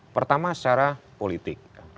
pertama secara politik